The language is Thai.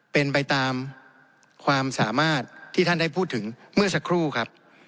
เป็นไปตามความสามารถที่ท่านได้พูดถึงเมื่อสักครู่ครับ